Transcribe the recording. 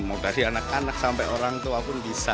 mau dari anak anak sampai orang tua pun bisa